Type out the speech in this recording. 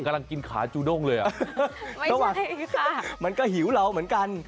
กำลังกินขาจูด้งเลยอ่ะระหว่างนี้ค่ะมันก็หิวเราเหมือนกัน